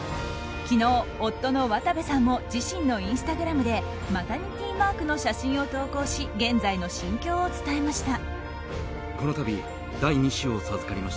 昨日、夫の渡部さんも自身のインスタグラムでマタニティーマークの写真を投稿し現在の心境を伝えました。